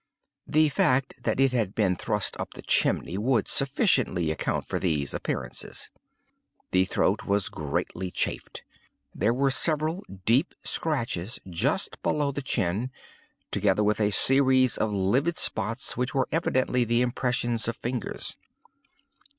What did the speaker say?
The fact that it had been thrust up the chimney would sufficiently account for these appearances. The throat was greatly chafed. There were several deep scratches just below the chin, together with a series of livid spots which were evidently the impression of fingers.